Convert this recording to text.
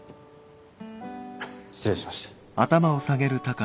失礼しました。